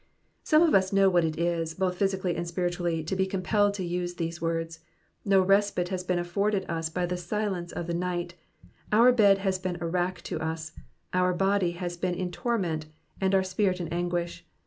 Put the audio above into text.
Some of us know what it 18, both physically and spiritually, to be compelled to use these words : no respite has oeen afitorded us by the silence of the night, our bed has been a rack to us, our body has Ijcen in torment, and our spirit in anguish.